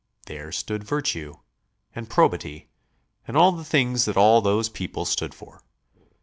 There stood Virtue ... and Probity ... and all the things that all those people stood for.